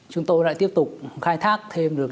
chúng tôi lại tiếp tục khai thác thêm được